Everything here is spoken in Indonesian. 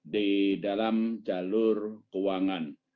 di dalam jalur keuangan